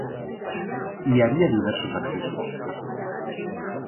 Hi havia diversos accessos.